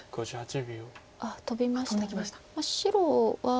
あっトビました。